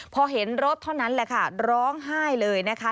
พอเห็นรถเท่านั้นแหละค่ะร้องไห้เลยนะคะ